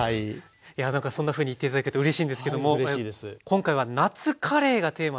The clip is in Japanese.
いやなんかそんなふうに言って頂けてうれしいんですけども今回は「夏カレー」がテーマということで。